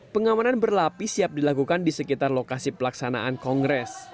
pengamanan berlapis siap dilakukan di sekitar lokasi pelaksanaan kongres